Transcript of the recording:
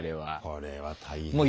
これは大変だ。